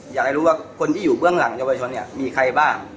อยากให้รู้ว่าคนที่อยู่เบื้องหลังเยาวชนเนี่ยมีใครบ้าง